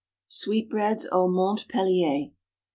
_Sweetbreads au Montpellier.